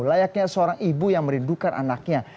layaknya seorang ibu yang merindukan anaknya